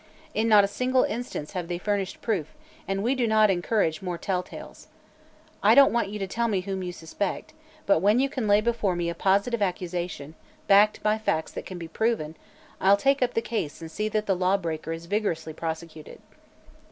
In not a single instance have they furnished proof, and we do not encourage mere telltales. I don't want you to tell me whom you suspect, but when you can lay before me a positive accusation, backed by facts that can be proven, I'll take up the case and see that the lawbreaker is vigorously prosecuted."